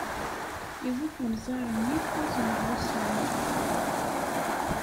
Iwet unẓar-nni kuẓ n wussan.